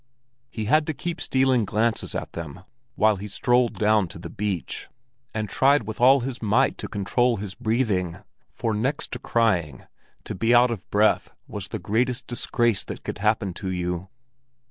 He had to keep stealing glances at them while he strolled down to the beach, and tried with all his might to control his breathing; for next to crying, to be out of breath was the greatest disgrace that could happen to you.